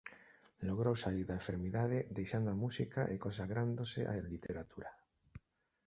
Logrou saír da enfermidade deixando a música e consagrándose á literatura.